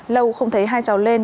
lâu không thấy hai cháu lên